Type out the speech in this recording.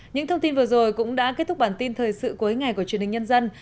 những thông tin vừa rồi cũng đã kết thúc bản tin thời sự cuối ngày của truyền hình nhân dân